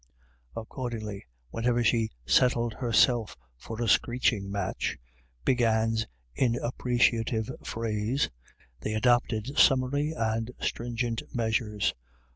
Accordingly, whenever she "settled herself for a screechm* match "— Big Anne's inappreciative phrase — they adopted summary and stringent measures.